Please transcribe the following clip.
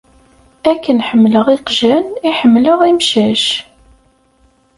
Akken ḥemmleɣ iqjan i ḥemmleɣ imcac.